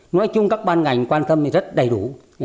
nói chung các ban ngành quan tâm thì rất đầy đủ